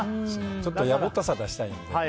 ちょっと野暮ったさを出したいので。